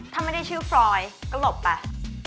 ถ้าไม่ได้ชื่อฟรอยก็หลบไป